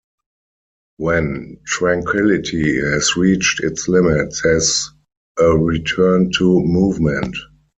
When tranquility has reached its limit, there is a return to movement.